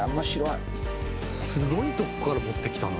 すごいとこから持ってきたな！